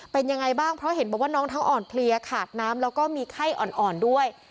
เป็นยังไงบ้างเพราะเห็นบอกว่าน้องทั้งอ่อนเพลียขาดน้ำแล้วก็มีไข้อ่อนด้วย